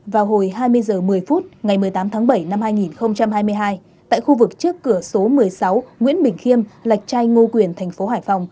vào hồi hai mươi h một mươi phút ngày một mươi tám tháng bảy năm hai nghìn hai mươi hai tại khu vực trước cửa số một mươi sáu nguyễn bình khiêm lạch trai ngô quyền thành phố hải phòng